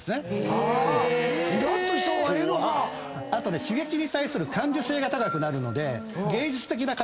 あとね刺激に対する感受性が高くなるので芸術的な力が高まるんですよ。